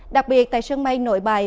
đặc biệt tại sân bay nội bài